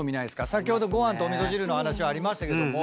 先ほどご飯とお味噌汁の話はありましたけども。